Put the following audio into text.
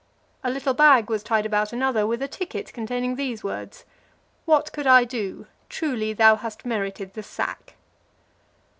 A little bag was tied about another, with a ticket containing these words; "What could I do?" "Truly thou hast merited the sack."